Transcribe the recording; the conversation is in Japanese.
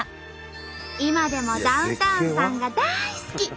今でもダウンタウンさんが大好き！